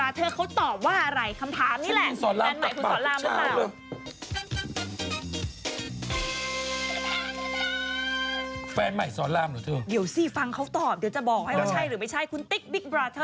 อ๋อละติ๊กต้องไปตามง้อเพราะอะไรว่ายังไม่เข้าใจอ้างง้ออยาก